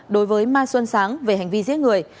đối với mai xuân sáng về hành vi giết người